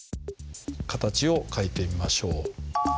形を書いてみましょう。